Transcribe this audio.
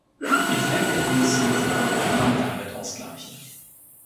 Ich denke, dieses Risiko kann man damit ausgleichen.